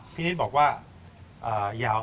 พี่นิดบอกว่า